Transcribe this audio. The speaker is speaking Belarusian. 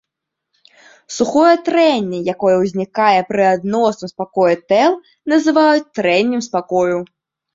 Сухое трэнне, якое ўзнікае пры адносным спакоі тэл, называюць трэннем спакою.